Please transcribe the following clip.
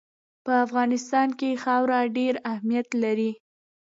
په افغانستان کې خاوره ډېر اهمیت لري.